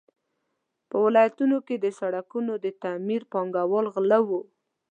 په ولایتونو کې د سړکونو د تعمیر پانګو غله وو.